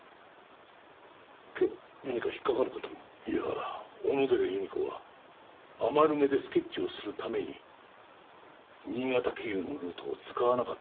警部何か引っかかる事が？いや小野寺由美子は余目でスケッチをするために新潟経由のルートを使わなかったと言った。